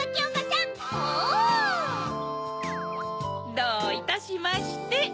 どういたしまして。